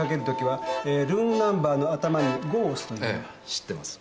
知ってます。